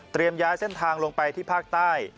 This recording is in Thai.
ย้ายเส้นทางลงไปที่ภาคใต้